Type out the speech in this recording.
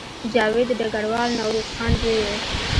جاوید د ډګروال نوروز خان زوی و